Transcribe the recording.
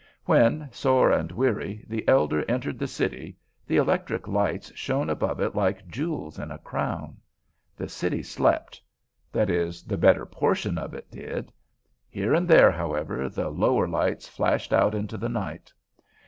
When, sore and weary, the elder entered the city, the electric lights shone above it like jewels in a crown. The city slept; that is, the better portion of it did. Here and there, however, the lower lights flashed out into the night.